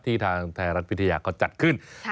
ทางไทยรัฐวิทยาเขาจัดขึ้น